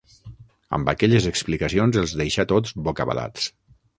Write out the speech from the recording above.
Amb aquelles explicacions els deixà tots bocabadats.